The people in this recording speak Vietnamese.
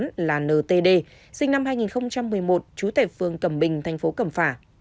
cơ quan công an đã xác định được nghi phạm gây án là n t d sinh năm hai nghìn một mươi một chú tại phường cẩm bình thành phố cẩm phà